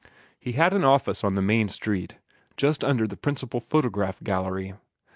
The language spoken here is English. He had an office on the main street, just under the principal photograph gallery.